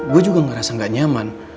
gue juga ngerasa gak nyaman